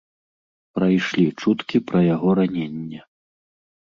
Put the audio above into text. Прайшлі чуткі пра яго раненне.